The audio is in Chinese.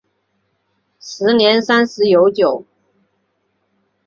时年三十有九。